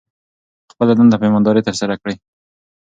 خپله دنده په ایمانداري ترسره کړئ.